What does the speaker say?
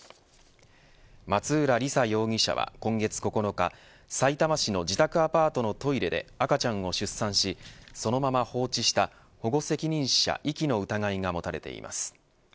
松浦里紗容疑者は今月９日さいたま市の自宅アパートのトイレで赤ちゃんを出産しそのまま放置した保護責任者遺棄の疑いが持たれています。